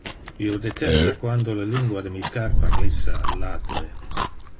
Io detesta quando le lingua de mi scarpa glissa al latere.